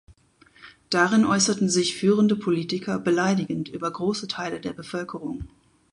Darin äußerten sich führende Politiker beleidigend über große Teile der Bevölkerung.